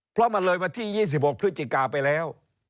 เพราะมันเลยวันที่๒๖พฤศจิกาไปแล้ว